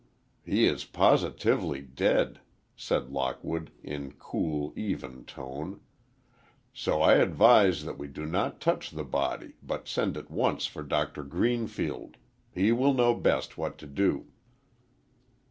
"He is positively dead," said Lockwood, in cool, even tone, "so I advise that we do not touch the body but send at once for Doctor Greenfield. He will know best what to do."